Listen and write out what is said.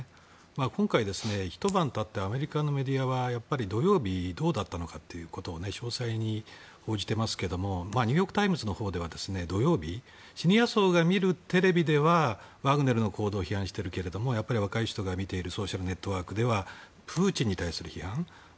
今回、ひと晩経ってアメリカのメディアは、土曜日がどうだったのかということを詳細に報じていますけどもニューヨーク・タイムズでは土曜日シニア層が見るテレビではワグネルの行動を批判しているけれども若い人が見ているソーシャルネットワークではプーチンに対する批判